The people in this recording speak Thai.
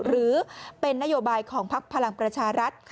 หรือเป็นนโยบายของพักพลังประชารัฐ